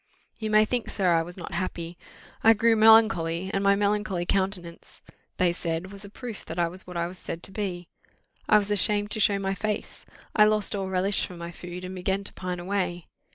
"You may think, sir, I was not happy. I grew melancholy; and my melancholy countenance, they said, was a proof that I was what I was said to be. I was ashamed to show my face. I lost all relish for my food, and began to pine away.